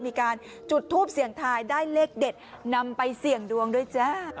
มีการจุดทูปเสี่ยงทายได้เลขเด็ดนำไปเสี่ยงดวงด้วยจ้า